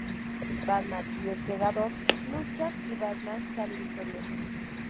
Batman y el Segador luchan y Batman sale victorioso.